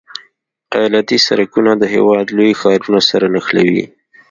ایالتي سرکونه د هېواد لوی ښارونه سره نښلوي